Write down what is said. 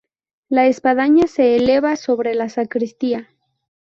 La espadaña se eleva sobre la sacristía.